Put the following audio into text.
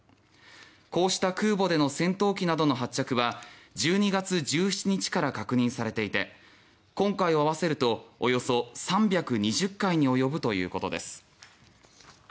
こうした空母での戦闘機などの発着は１２月１７日から確認されていて今回をあわせるとおよそ３２０回に及ぶということです。